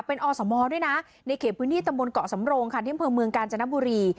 เป็นอสมด้วยนะในเขตพินิตบนเกาะสำโรงค่ะที่เมืองการจนบุรี